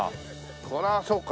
これはそうか。